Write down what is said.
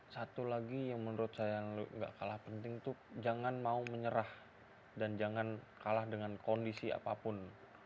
satu lagi yang menurut saya yang gak kalah penting tuh jangan mau menyerah dan jangan kalah dengan kondisi apapun